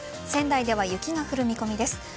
仙台では雪が降る見込みです。